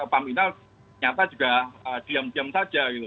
paminal nyata juga diam diam saja gitu